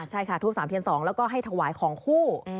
ใช่ค่ะทูป๓เทียน๒แล้วก็ให้ถวายของคู่